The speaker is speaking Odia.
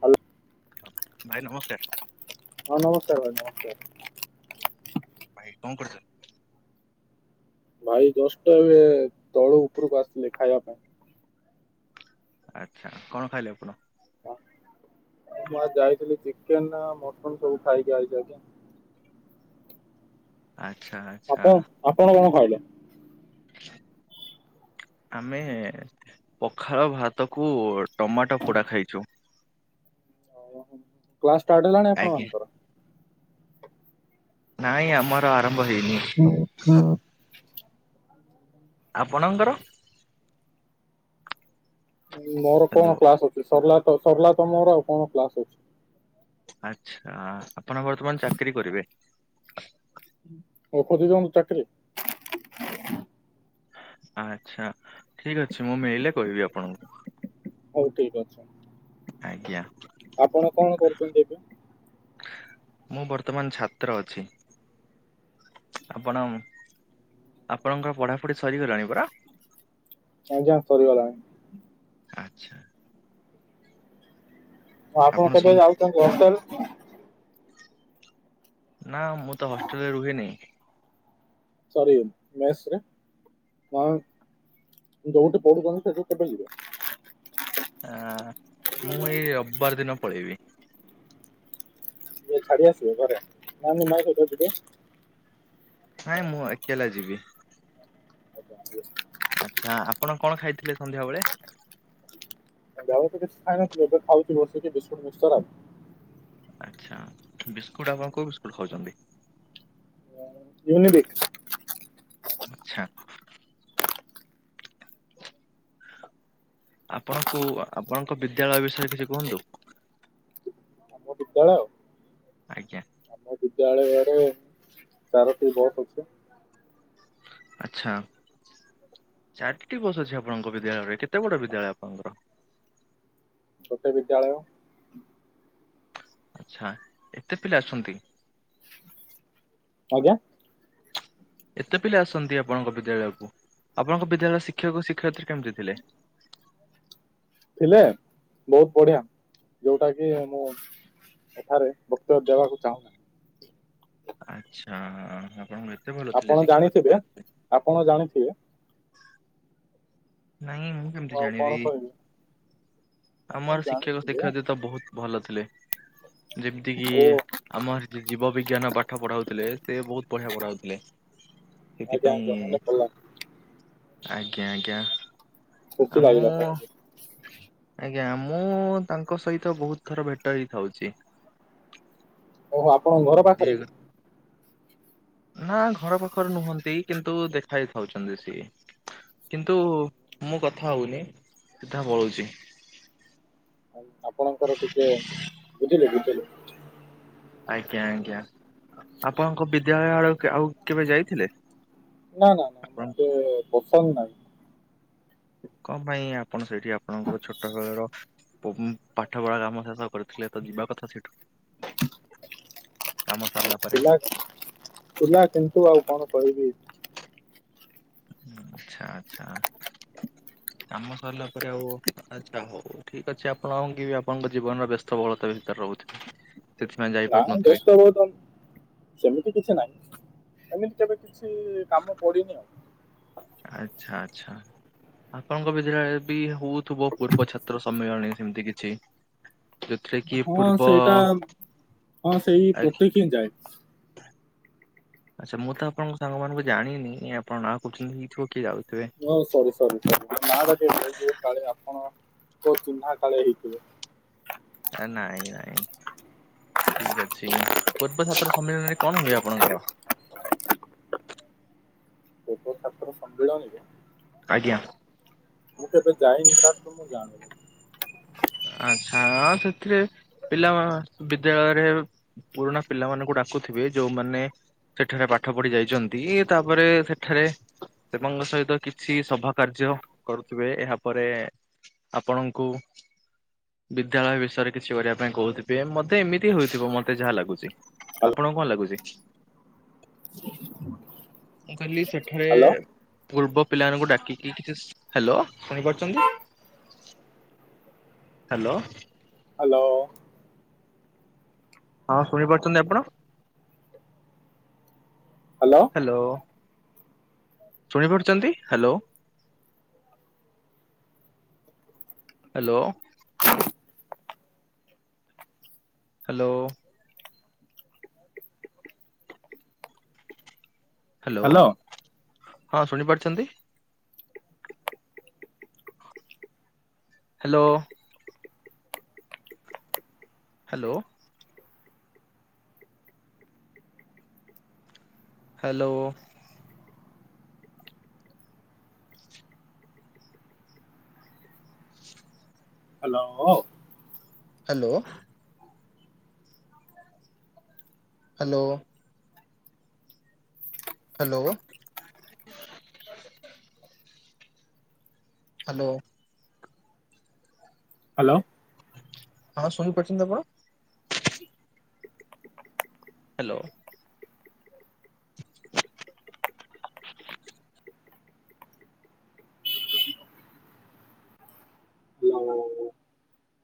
ହ୍ୟାଲୋ। ଭାଇ ନମସ୍କାର। ହଁ ନମସ୍କାର ଭାଇ ନମସ୍କାର। ଭାଇ କଣ କରୁଛ? ଭାଇ ଯୁଷ୍ଟ ଏବେ ତଳୁ ଉପରକୁ ଆସିଥିଲି ଖାଇବା ପାଇଁ। ଆଛା କଣ ଖାଇଲେ ଆପଣ? ଆଉ ମୁଁ ଆ ଯାଇଥିଲି ଚିକେନ ମଟନ ସବୁ ଖାଇକି ଆଇଲି ଏଇକ୍ଷା। ଆଛା ଆଛା। ଖାଇଲି। ଆମେ ପଖାଳ ଭାତ କୁ ଟମାଟୋ ପୋଡ଼ା ଖାଇଛୁ। କ୍ଲାସ ଷ୍ଟାର୍ଟ ହେଲାଣି ଆଜ୍ଞା ଆପଣମାନଙ୍କର? ନାଇଁ ଆମର ଆରମ୍ଭ ହେଇନି। ଆପଣଙ୍କର? ମୋର ହ୍ୟାଲୋ କଣ କ୍ଲାସ ଅଛି ସରିଲାତ ସରିଲାତ ମୋର ଆଉ କଣ କ୍ଲାସ ଅଛି? ଆଛା ଆପଣ ବର୍ତ୍ତମାନ ଚାକିରୀ କରିବେ। ଓ ଖୋଯୁଚନ୍ତି ଚାକିରି। ଆଚ୍ଛା ଠିକ ଅଛି ମୁଁ ମିଳିଲେ କହିବି ଆପଣଙ୍କୁ। ହଉ ଠିକ ଅଛି। ଆଜ୍ଞା। ଆପଣ କଣ କରୁଛନ୍ତି ଏବେ? ମୁଁ ବର୍ତ୍ତମାନ ଛାତ୍ର ଅଛି। ଆପଣ ଆପଣଙ୍କର ପଢାପଢି ସରିଗଲାଣି ପରା। ଆଜ୍ଞା ସରିିଗଲାଣି। ଆଚ୍ଛା। ଆପଣ କେବେ ଯାଉଛନ୍ତି ହଷ୍ଟେଲ। ନା ମୁଁ ତ ହଷ୍ଟେଲରେ ରୁହେନି। ସରି ମେସରେ, ନାଁ ଯୋଉଠି ପଢୁଛନ୍ତି ସେଠିକି କେବେ ଯିବେ? ଆ ମୁଁ ଏଇ ରବିବାର ଦିନ ପଳେଇବି। ଛାଡ଼ି ଆସ ଘରେ ନା [unintelligible] ନାଇଁ ମୁଁ ଏକଲା ଯିବି। [inaudible] ଆଚ୍ଛା ଆପଣ କଣ ଖାଇଥିଲେ ସନ୍ଧ୍ୟାବେଳେ? ସନ୍ଧ୍ୟାବେଳେ କିଛି ଖାଇ ନଥିଲୁ ଏବେ ଖାଉଚୁ ବସିକି ବିସ୍କୁଟ ମିକ୍ସଚର ଆଉ। ଆଚ୍ଛା ବିସ୍କୁଟ ଆପଣ କୋଉ ବିସ୍କୁଟ ଖାଉଛନ୍ତି? ୟୁନିବିକ। [inaudible] ଆପଣଙ୍କୁ ଆପଣଙ୍କ ବିଦ୍ୟାଳୟ ବିଷୟରେ କିଛି କୁହନ୍ତୁ। ଆମ ବିଦ୍ୟାଳୟ। ଆଜ୍ଞା। ଆମ ବିଦ୍ୟାଳୟରେ ଚାରଟି ବସ୍ ଅଛି। ଆଚ୍ଛା। ଚାରିଟି ବସ ଅଛି ଆପଣଙ୍କ ବିଦ୍ୟାଳୟରେ କେତେ ବଡ ବିଦ୍ୟାଳୟ ଆପଣଙ୍କର? ଛୋଟ ବିଦ୍ୟାଳୟ। ଆଛା, ଏତେ ପିଲା ଅଛନ୍ତି। ଆଜ୍ଞା ଏତେ ପିଲା ଆସନ୍ତି ଆପଣଙ୍କ ବିଦ୍ୟାଳୟକୁ। ଆପଣଙ୍କ ବିଦ୍ୟାଳୟରେ ଶିକ୍ଷକ ଓ ଶିକ୍ଷୟତ୍ରୀ କେମିତି ଥିଲେ? ଥିଲେ ବହୁତ ବଢିଆ, ଯୋଉଟା କି ମୁଁ ଏଠାରେ ବକ୍ତବ୍ୟ ଦେବାକୁ ଚାହୁଁ ନାହିଁ। ଆଚ୍ଛା, ଆପଣଙ୍କର ଏତେ ଭଲ ଥିଲେ ଆପଣ ଶିକ୍ଷକ ଜାଣିଥିବେ, ଶିକ୍ଷୟତ୍ରୀ। ଆପଣ ଜାଣିଥିବେ ନାଇଁ ମୁଁ କେମିତି ଆଉ କଣ ଜାଣିବି କହିବି ଆପଣ ଆମର ଶିକ୍ଷକ, ଜାଣିଥିବେ ଶିକ୍ଷୟତ୍ରି ତ ବୋହୁତ୍ ଭଲ ଥି ହ ଯେମିତି କିି ଓ ଆମର ଜୀବ ବିିଜ୍ଞାନ ପାଠ ପଢାଉ ଥିଲେ। ସେ ବୋହୁତ୍ ବଢିଆ ପଢ଼ାଉଥିଲେ। ଆଜ୍ଞା ଆଜ୍ଞା ମନେ ସେଥିପାଇଁ ପଡିଲା ଆଜ୍ଞା, ଆଜ୍ଞା। ଆ ମୁଁ [unintelligible] ଆଜ୍ଞା, ମୁଁ ତାଙ୍କ ସହିତ ବହୁତ ଥର ଭେଟ ହେଇଥାଉଛି। ଓହୋ ଆପଣଙ୍କ ଘର ସିଏ ପାଖରେ କି? ନା ଘର ପାଖରେ ନୁହନ୍ତି। କିନ୍ତୁ ଦେଖା ହେଇ ପାରୁଛନ୍ତି ସିଏ କିନ୍ତୁ ମୁଁ କଥା ହଉନି [unintelligible] ଆପଣଙ୍କର ଟିକେ ବୁଝିଲେ, ବୁଝିଲେ ଆଜ୍ଞା ଆଜ୍ଞା ଆପଣଙ୍କ ବିଦ୍ୟାଳୟ ଆଡକୁ ଆଉ କେବେ ଯାଇଥିଲେ। ନା ନା ନା ଆପଣ ମତେ ପସନ୍ଦ୍ ନାହିଁ। [unintelligible] ଥିଲେ ତ ଯିବା କଥା ସେଇଠୁ କାମ ସାରିଲା ପରେ। ପୁଲା କିନ୍ତୁ ଆଚ୍ଛା ଆଚ୍ଛା କାମ ସରିଲା ପରେ ଆଉ ଆଚ୍ଛା ହୋଉ ଠିକ୍ ଅଛି। ଆପଣ ବିହେବି ଆପଣଙ୍କ ଜୀବନର ବ୍ୟସ୍ତ ବୋହୁଳତା [unintelligible] ନାଇଁ ବ୍ୟସ୍ତ ବହୁତ ସେମିତି କିଛି ନାହିଁ। ଏମିତି କେବେ କିଛି କାମ ପଡିନି ଆଉ ଆଚ୍ଛା ଆଚ୍ଛା ଆପଣଙ୍କ ବିଦଳୟରେ ବି ହଉଥିବ ପୂର୍ବ ଛାତ୍ର ସମ୍ମିଳନୀ ସେମିତି କିଛି ସେଥିରେ କିଏ ହଁ ପୁର୍ବ ସେଇଟା ହଁ ସେଇ ଆ ପ୍ରତୀକ ହିଁ ଯାଏ [unintelligible] ହ ସରି ସରି କାଳେ ଆପଣ କୋଉ ଚିହ୍ନା କାଳେ ହେଇଥିବେ। ନାଇଁ ନାଇଁ ଠିକ୍ ଅଛି। ପୁର୍ବ ଛାତ୍ର ସମ୍ମିଳନୀ କଣ ହବି ଆପଣଙ୍କର ସେଟ ଛାତ୍ର ସମ୍ମିଳନୀ ଆଜ୍ଞା। ମୁଁ କେବେ ଯାଇନି ସାର୍, ମୁଁ ଜାଣିନି [inaudible] ଡାକୁଥିବେ ଯୋଉମାନେ [inaudible] କରୁଥିବେ ଏହାପରେ ଆପଣଙ୍କୁ ବିଦ୍ୟାଳୟ ବିଷୟରେ କିଛି କରିବା ପାଇଁ କହୁଥିବେ। ମ ମତେ ଏମିତି ହେଇଥିବ ମତେ ହ୍ୟାଲୋ ମୁଁ କହିଲି ସେଠାରେ ହ୍ୟାଲୋ ପୂର୍ବ। ପିଲାମାନଙ୍କୁ ଡାକିକି କିଛି ହେଲୋ ଶୁଣିପାରୁଛନ୍ତି? ହ୍ୟାଲୋ। ହ୍ୟାଲୋ। ହଁ ଶୁଣିପାରୁଛନ୍ତି ଆପଣ? ହ୍ୟାଲୋ। ଶୁଣିପାରୁୁଛନ୍ତି ହ୍ୟାଲୋ? ହ୍ୟାଲୋ। ହ୍ୟାଲୋ। ହ୍ୟାଲୋ ହଁ ଶୁଣି ପାରୁଛନ୍ତି? Hello. Hello. Hello. Hello. Hello. Hello. Hello. Hello. Hello. ହଁ ଶୁଣିପାରୁଛନ୍ତି ଆପଣ? ହ୍ୟାଲୋ।